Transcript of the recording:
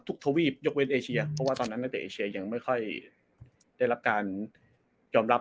ทวีปยกเว้นเอเชียเพราะว่าตอนนั้นนักเตะเอเชียยังไม่ค่อยได้รับการยอมรับ